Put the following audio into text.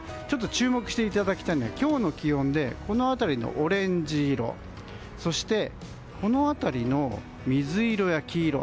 注目していただきたいのが今日の気温でこの辺りのオレンジ色そしてこの辺りの水色や黄色。